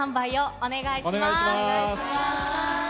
お願いします。